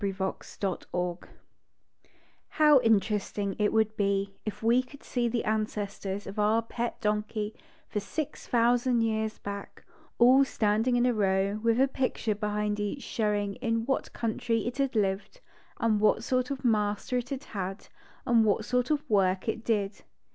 38 THE DONKEY JJOW interesting it would be if we could see the ancestors of our pet donkey for six thousand years back, all Standing in a row, with a picture behind each showing in what country it had lived, and what sort of master it had had, and what sort of work it did.